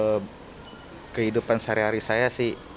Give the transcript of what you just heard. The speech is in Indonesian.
ini bercerita tentang kehidupan sehari hari saya sih